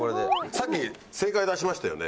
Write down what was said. さっき正解出しましたよね。